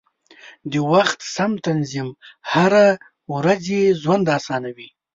د وخت سم تنظیم هره ورځي ژوند اسانوي.